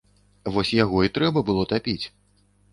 Вось яго і трэба было тапіць.